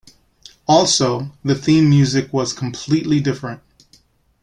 Also, the theme music was completely different.